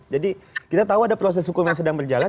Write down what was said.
jadi kita tahu ada proses hukum yang sedang berjalan